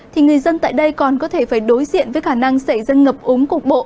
thì người dân tại đây còn có thể phải đối diện với khả năng xảy dân ngập ống cục bộ ở khu vực trũng thấp